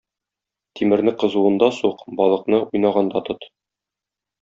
Тимерне кызуында сук, балыкны уйнаганда тот.